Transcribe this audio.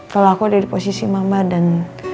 kalau aku ada di posisi mama dan